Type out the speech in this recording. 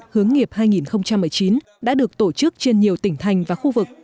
hướng nghiệp hai nghìn một mươi chín đã được tổ chức trên nhiều tỉnh thành và khu vực